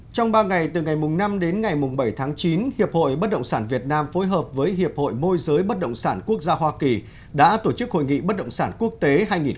trong ba ngày từ ngày năm đến ngày bảy tháng chín hiệp hội bất động sản việt nam phối hợp với hiệp hội môi giới bất động sản quốc gia hoa kỳ đã tổ chức hội nghị bất động sản quốc tế hai nghìn một mươi chín